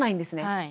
はい。